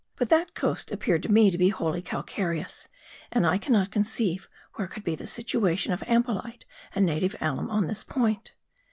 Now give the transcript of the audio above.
But that coast appeared to me to be wholly calcareous; and I cannot conceive where could be the situation of ampelite and native alum on this point.